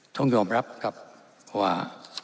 ต้องยอมรับครับว่า